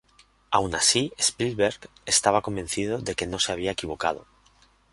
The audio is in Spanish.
Aun así, Spielberg estaba convencido de que no se había equivocado.